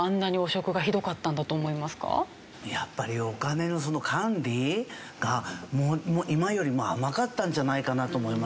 やっぱりお金の管理が今よりも甘かったんじゃないかなと思いますよね。